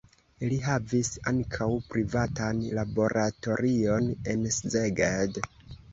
Li havis ankaŭ privatan laboratorion en Szeged.